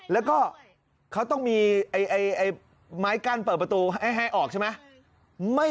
แล้วก็เขาต้องมีไม้กั้นเปิดประตูให้ออกใช่ไหม